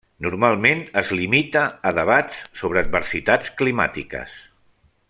Normalment es limita a debats sobre adversitats climàtiques.